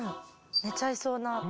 寝ちゃいそうな。